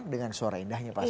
dengan suara indahnya pasti